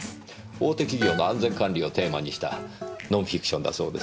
大手企業の安全管理をテーマにしたノンフィクションだそうです。